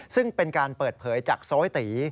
ซึ่งเป็นการเปิดเผยจากโซยตี